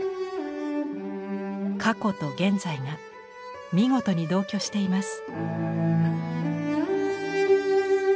過去と現在が見事に同居しています。